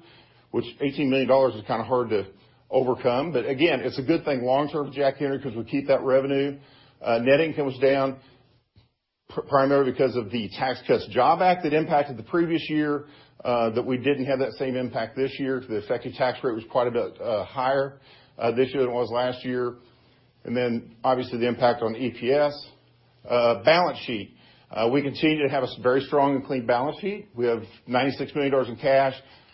G: which $18 million is kind of hard to overcome. But again, it's a good thing long-term for Jack Henry because we keep that revenue. Net income was down primarily because of the Tax Cuts and Jobs Act that impacted the previous year that we didn't have that same impact this year. The effective tax rate was quite a bit higher this year than it was last year. And then obviously the impact on EPS. Balance sheet, we continue to have a very strong and clean balance sheet. We have $96 million in cash.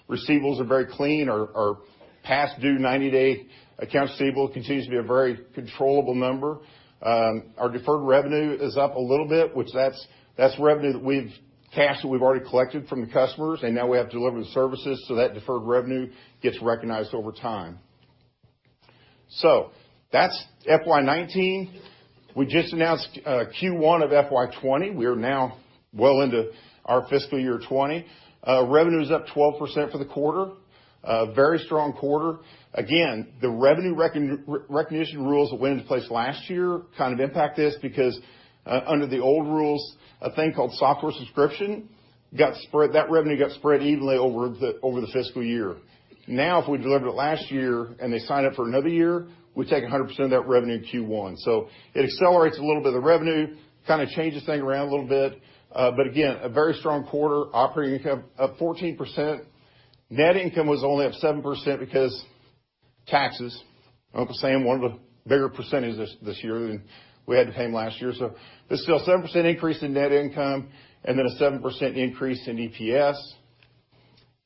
G: Receivables are very clean. Our past due 90-day accounts receivable continues to be a very controllable number. Our deferred revenue is up a little bit, which that's revenue that we've cashed that we've already collected from the customers, and now we have to deliver the services, so that deferred revenue gets recognized over time, so that's FY19. We just announced Q1 of FY20. We are now well into our fiscal year 2020. Revenue is up 12% for the quarter. Very strong quarter. Again, the revenue recognition rules that went into place last year kind of impact this because under the old rules, a thing called software subscription got spread. That revenue got spread evenly over the fiscal year. Now, if we delivered it last year and they signed up for another year, we take 100% of that revenue in Q1, so it accelerates a little bit of the revenue, kind of changes things around a little bit, but again, a very strong quarter. Operating income up 14%. Net income was only up 7% because taxes. I'm going to say I'm one of the bigger percentages this year than we had to pay them last year. So there's still a 7% increase in net income and then a 7% increase in EPS.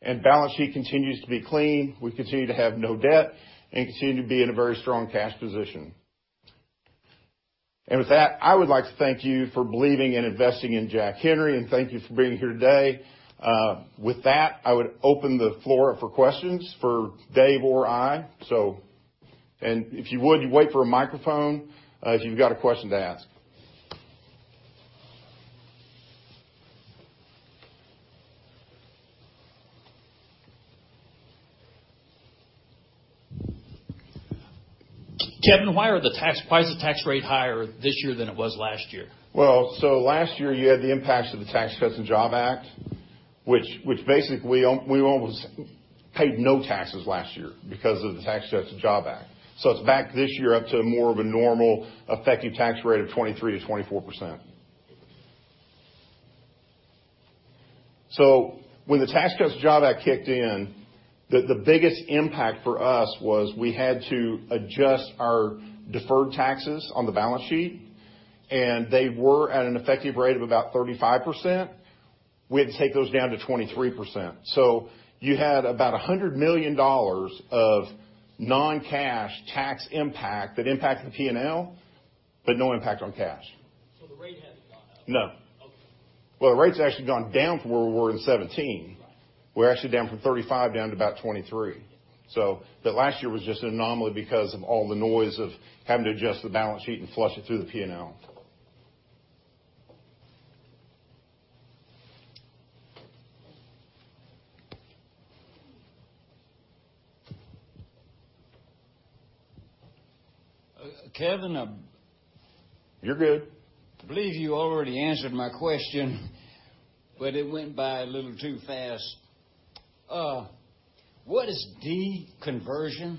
G: And the balance sheet continues to be clean. We continue to have no debt and continue to be in a very strong cash position. And with that, I would like to thank you for believing and investing in Jack Henry and thank you for being here today. With that, I would open the floor up for questions for Dave or I. And if you would, you wait for a microphone if you've got a question to ask.
C: Kevin, why is the effective tax rate higher this year than it was last year?
G: So last year you had the impacts of the Tax Cuts and Jobs Act, which basically we almost paid no taxes last year because of the Tax Cuts and Jobs Act. So it's back this year up to more of a normal effective tax rate of 23%-24%. So when the Tax Cuts and Jobs Act kicked in, the biggest impact for us was we had to adjust our deferred taxes on the balance sheet. And they were at an effective rate of about 35%. We had to take those down to 23%. So you had about $100 million of non-cash tax impact that impacted the P&L, but no impact on cash.
C: So the rate hasn't gone up?
G: No. Well, the rate's actually gone down from where we were in 2017. We're actually down from 35 down to about 23. So that last year was just an anomaly because of all the noise of having to adjust the balance sheet and flush it through the P&L.
C: Kevin.
G: You're good.
C: I believe you already answered my question, but it went by a little too fast. What is deconversion?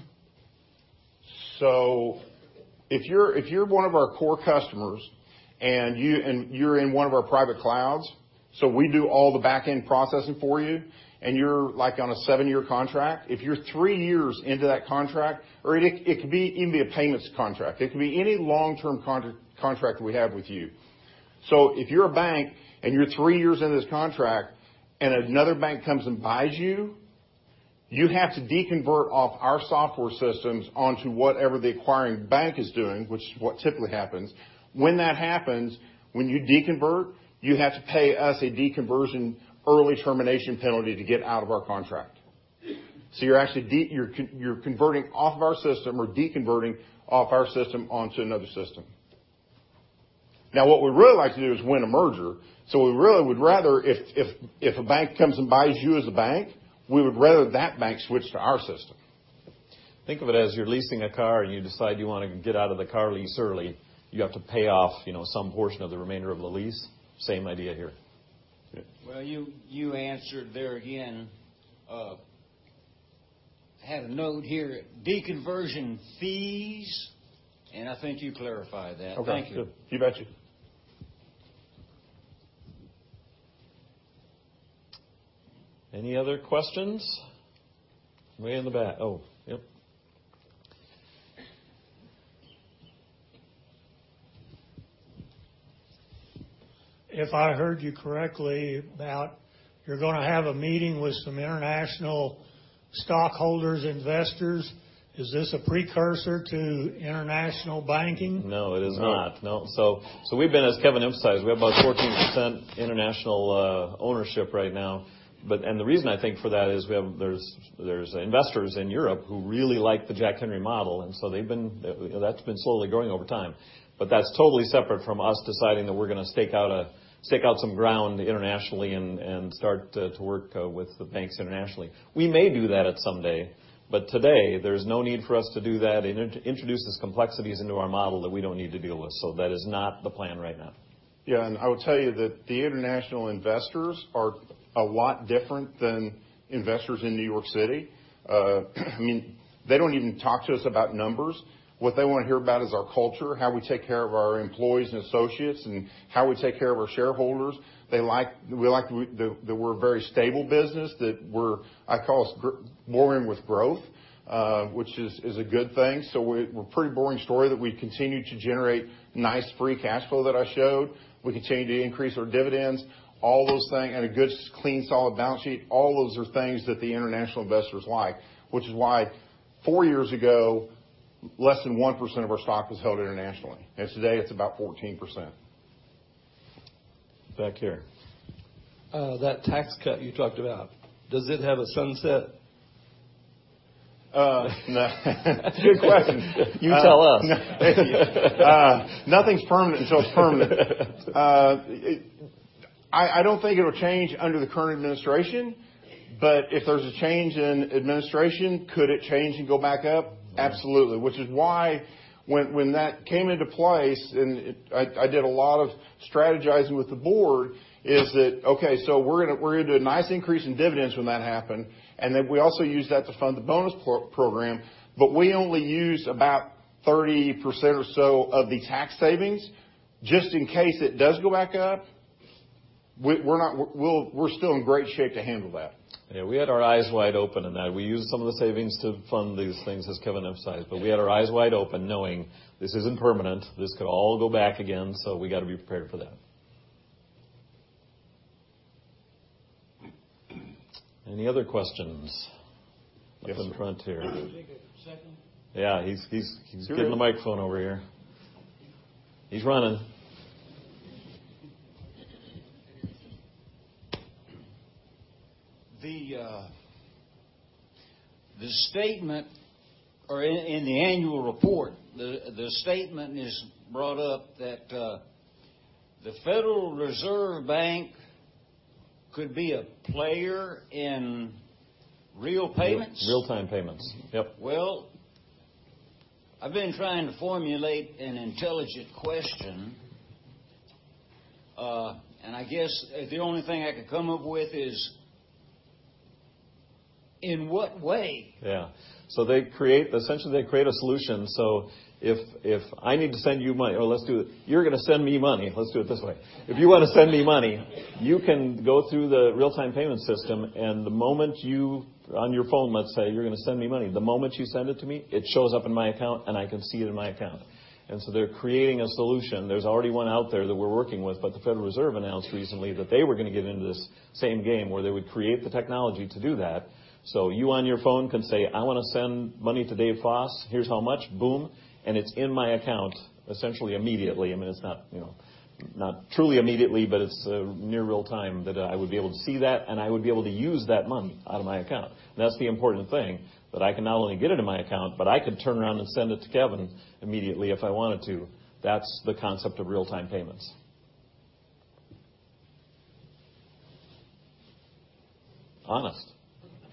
G: So if you're one of our core customers and you're in one of our private clouds, so we do all the back-end processing for you, and you're on a seven-year contract, if you're three years into that contract, or it can even be a payments contract. It can be any long-term contract we have with you. So if you're a bank and you're three years into this contract and another bank comes and buys you, you have to deconvert off our software systems onto whatever the acquiring bank is doing, which is what typically happens. When that happens, when you deconvert, you have to pay us a deconversion early termination penalty to get out of our contract. So you're converting off of our system or deconverting off our system onto another system. Now, what we really like to do is win a merger. So, we really would rather, if a bank comes and buys you as a bank, we would rather that bank switch to our system. Think of it as you're leasing a car and you decide you want to get out of the car lease early, you have to pay off some portion of the remainder of the lease. Same idea here.
C: You answered there again. I had a note here, deconversion fees, and I think you clarified that. Thank you.
G: Okay. Good. You betcha. Any other questions? Way in the back. Oh, yep.
E: If I heard you correctly, you're going to have a meeting with some international stockholders, investors. Is this a precursor to international banking?
F: No, it is not. No. So we've been, as Kevin emphasized, we have about 14% international ownership right now. And the reason I think for that is there's investors in Europe who really like the Jack Henry model. And so that's been slowly growing over time. But that's totally separate from us deciding that we're going to stake out some ground internationally and start to work with the banks internationally. We may do that at some day. But today, there's no need for us to do that and introduce these complexities into our model that we don't need to deal with. So that is not the plan right now. Yeah. And I will tell you that the international investors are a lot different than investors in New York City. I mean, they don't even talk to us about numbers.
G: What they want to hear about is our culture, how we take care of our employees and associates, and how we take care of our shareholders. We like that we're a very stable business, that I call us boring with growth, which is a good thing. So we're a pretty boring story that we continue to generate nice free cash flow that I showed. We continue to increase our dividends, all those things, and a good clean solid balance sheet. All those are things that the international investors like, which is why four years ago, less than 1% of our stock was held internationally. And today, it's about 14%. Back here.
F: That tax cut you talked about, does it have a sunset?
C: Good question. You tell us. Nothing's permanent until it's permanent. I don't think it'll change under the current administration. But if there's a change in administration, could it change and go back up? Absolutely. Which is why when that came into place, and I did a lot of strategizing with the board, is that, okay, so we're going to do a nice increase in dividends when that happen. And then we also use that to fund the bonus program. But we only use about 30% or so of the tax savings just in case it does go back up. We're still in great shape to handle that.
F: Yeah. We had our eyes wide open in that. We used some of the savings to fund these things, as Kevin emphasized. But we had our eyes wide open knowing this isn't permanent. This could all go back again.
G: So we got to be prepared for that. Any other questions up in front here?
C: I'm going to take a second.
G: Yeah. He's getting the microphone over here. He's running.
C: The statement, or in the annual report, the statement is brought up that the Federal Reserve could be a player in real-time payments?
G: Real-time payments. Yep.
C: I've been trying to formulate an intelligent question. I guess the only thing I could come up with is in what way?
F: Yeah. So essentially they create a solution. So if I need to send you money, or let's do it, you're going to send me money. Let's do it this way. If you want to send me money, you can go through the real-time payment system. And the moment you on your phone, let's say, you're going to send me money. The moment you send it to me, it shows up in my account and I can see it in my account. And so they're creating a solution. There's already one out there that we're working with. But the Federal Reserve announced recently that they were going to get into this same game where they would create the technology to do that. So you on your phone can say, "I want to send money to Dave Foss. Here's how much." Boom. And it's in my account, essentially immediately. I mean, it's not truly immediately, but it's near real-time that I would be able to see that and I would be able to use that money out of my account. And that's the important thing, that I can not only get it in my account, but I could turn around and send it to Kevin immediately if I wanted to. That's the concept of real-time payments. Honest.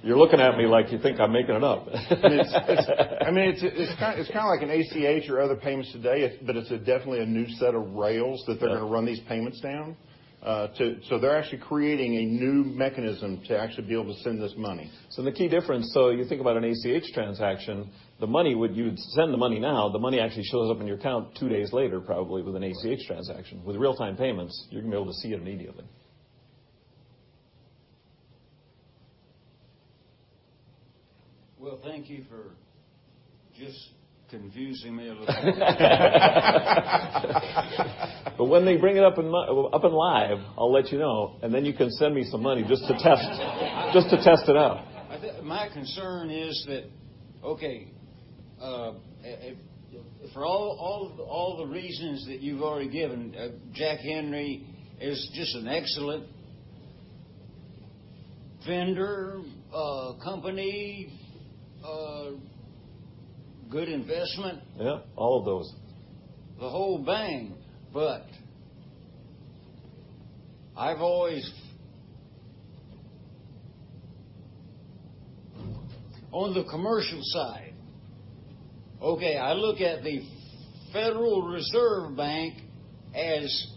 F: You're looking at me like you think I'm making it up. I mean, it's kind of like an ACH or other payments today, but it's definitely a new set of rails that they're going to run these payments down. So they're actually creating a new mechanism to actually be able to send this money. The key difference, so you think about an ACH transaction, the money, you would send the money now, the money actually shows up in your account two days later probably with an ACH transaction. With real-time payments, you're going to be able to see it immediately.
C: Thank you for just confusing me a little bit.
F: But when they bring it up and live, I'll let you know. And then you can send me some money just to test it out.
C: My concern is that, okay, for all the reasons that you've already given, Jack Henry is just an excellent vendor, company, good investment.
G: Yeah. All of those.
C: The whole bang, but I've always on the commercial side, okay. I look at the Federal Reserve Bank as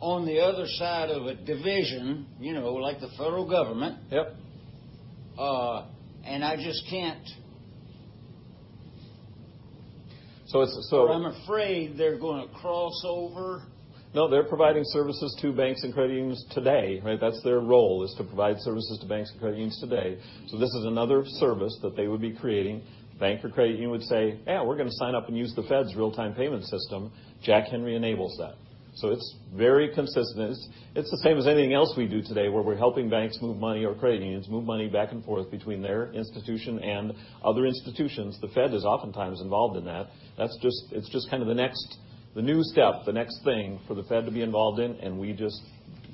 C: on the other side of a division, like the federal government, and I just can't.
G: So it's.
C: I'm afraid they're going to cross over.
F: No, they're providing services to banks and credit unions today. That's their role is to provide services to banks and credit unions today. So this is another service that they would be creating. Bank or credit union would say, "Hey, we're going to sign up and use the Fed's real-time payment system." Jack Henry enables that. So it's very consistent. It's the same as anything else we do today where we're helping banks move money or credit unions move money back and forth between their institution and other institutions. The Fed is oftentimes involved in that. It's just kind of the new step, the next thing for the Fed to be involved in, and we just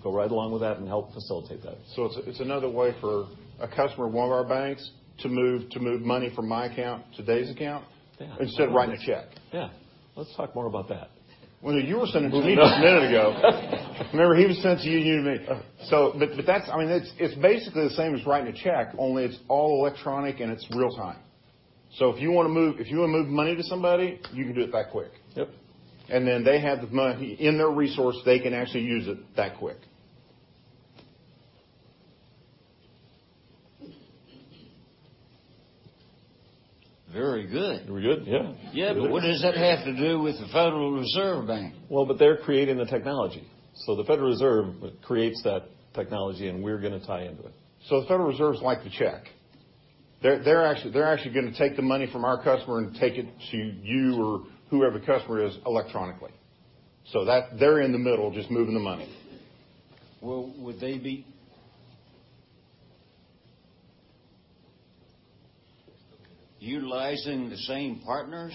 F: go right along with that and help facilitate that.
C: So it's another way for a customer of one of our banks to move money from my account to Dave's account instead of writing a check.
F: Yeah. Let's talk more about that. When you were sending to me just a minute ago, remember he was sending to you and you to me.
C: But I mean, it's basically the same as writing a check, only it's all electronic and it's real-time. So if you want to move money to somebody, you can do it that quick. And then they have the money in their account, they can actually use it that quick. Very good.
F: We're good? Yeah.
C: Yeah. But what does that have to do with the Federal Reserve Bank?
G: But they're creating the technology. So the Federal Reserve creates that technology and we're going to tie into it. So the Federal Reserve's like the check. They're actually going to take the money from our customer and take it to you or whoever the customer is electronically. So they're in the middle just moving the money.
C: Would they be utilizing the same partners,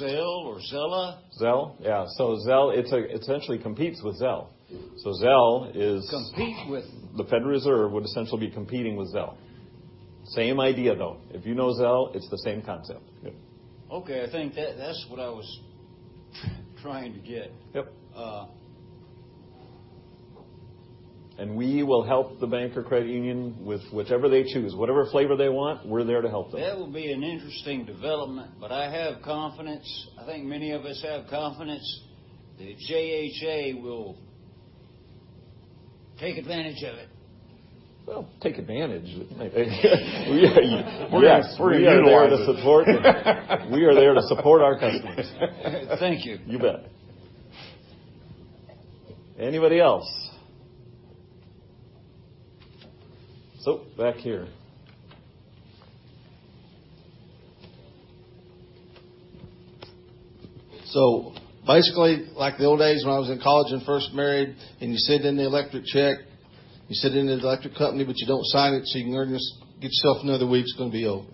C: Zelle?
G: Zelle. Yeah. So Zelle essentially competes with Zelle. So Zelle is.
H: Compete with.
G: The Federal Reserve would essentially be competing with Zelle. Same idea though. If you know Zelle, it's the same concept.
C: Okay. I think that's what I was trying to get.
G: Yep. And we will help the bank or credit union with whichever they choose. Whatever flavor they want, we're there to help them.
C: That will be an interesting development, but I have confidence. I think many of us have confidence that JHA will take advantage of it.
F: Take advantage. We're here for you. We are there to support our customers.
C: Thank you.
G: You bet. Anybody else? Back here.
C: Basically, like the old days when I was in college and first married, and you send in the check to the electric company, but you don't sign it, so you can get yourself another week. It's going to be over.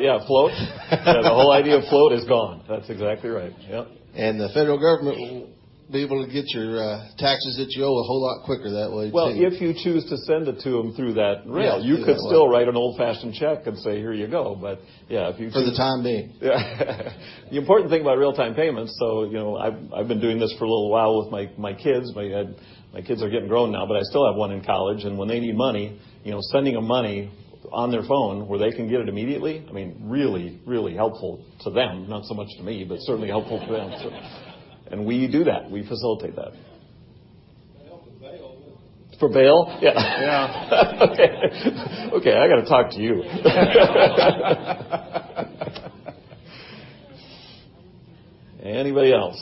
G: Yeah. Float. The whole idea of float is gone. That's exactly right. Yep.
C: And the federal government will be able to get your taxes that you owe a whole lot quicker that way.
G: If you choose to send it to them through that rail, you could still write an old-fashioned check and say, "Here you go." But yeah, if you.
C: For the time being.
G: The important thing about real-time payments, so I've been doing this for a little while with my kids. My kids are getting grown now, but I still have one in college, and when they need money, sending them money on their phone where they can get it immediately, I mean, really, really helpful to them. Not so much to me, but certainly helpful to them, and we do that. We facilitate that.
C: For bail, right?
G: For bail? Yeah.
C: Yeah.
G: Okay. Okay. I got to talk to you. Anybody else?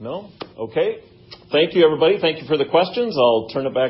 G: No? Okay. Thank you, everybody. Thank you for the questions. I'll turn it back.